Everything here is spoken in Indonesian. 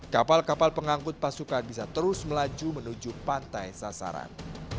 kapal kapal pengangkut pasukan bisa terus melaju menuju pantai sasaran